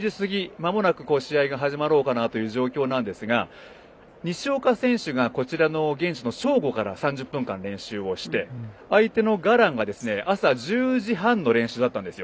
まもなく試合が始まろうかなという状況なんですが西岡選手がこちらの現地の正午から３０分間、練習をして相手のガランは朝１０時半の練習だったんですよ。